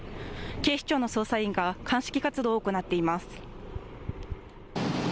警視庁の捜査員が鑑識活動を行っています。